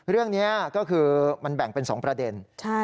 เรื่องนี้ก็คือมันแบ่งเป็น๒ประเด็น